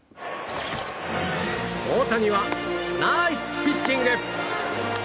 大谷はナイスピッチング！